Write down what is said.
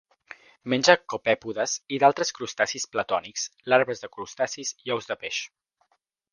Menja copèpodes i d'altres crustacis planctònics, larves de crustacis i ous de peix.